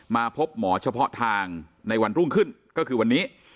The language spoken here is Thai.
มาพบหมอเฉพาะทางในวันรุ่งขึ้นก็คือวันนี้